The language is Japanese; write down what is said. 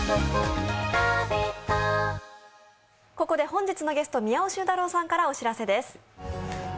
ここで本日のゲスト、宮尾俊太郎さんからお知らせです。